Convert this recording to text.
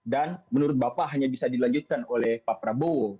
dan menurut bapak hanya bisa dilanjutkan oleh pak prabowo